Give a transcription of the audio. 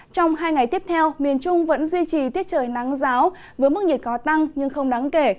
trong hai ngày tiếp theo miền trung vẫn duy trì tiết trời nắng giáo với mức nhiệt có tăng nhưng không đáng kể